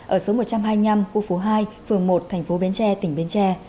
ở số một trăm hai mươi năm khu phố hai phường một thành phố bến tre tỉnh bến tre